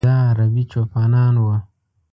د ه عربي چوپانان و.